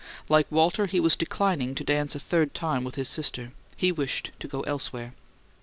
Like Walter, he was declining to dance a third time with sister; he wished to go elsewhere.